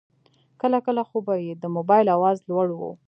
کله کله خو به یې د موبایل آواز لوړ و.